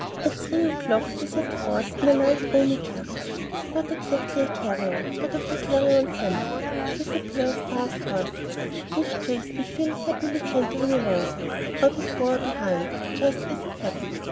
At three o'clock they set forth in a light roomy carriage, not exactly a carryall, but of the carryall family, with a pair of fast horses, Miss Chase and Phil cantering happily alongside, or before or behind, just as it happened.